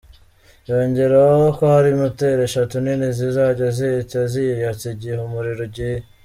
Yongeraho ko hari moteri eshatu nini zizajya zihita ziyatsa igihe umuriro ugiye.